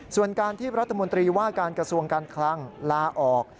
ส่วนการที่รัฐมนตรีว่าการกระทรวงการคลังลาออก